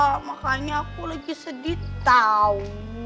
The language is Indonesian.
ya makanya aku lagi sedih tahu